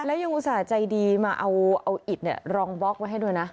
แล้วยังอุตส่าห์ใจดีมาเอาอิดรองบล็อกไว้ให้ด้วยนะ